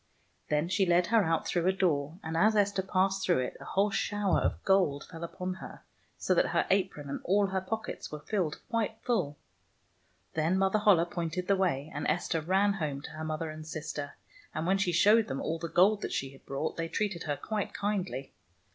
Then she led her out through a door, and as Esther passed through it a whole shower of gold fell [ 151 ] FAVORITE FAIRY TALES RETOLD upon her, so that her apron and all her pockets were filled quite full. Then Mother Holle pointed the way, and Esther ran home to her mother and sister. And when she showed them all the gold that she had brought, they treated her quite kindly.